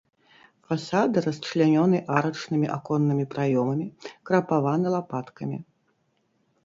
Фасады расчлянёны арачнымі аконнымі праёмамі, крапаваны лапаткамі.